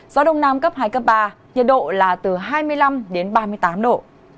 gió đông nam cấp hai ba nhiệt độ là từ hai mươi năm ba mươi tám độ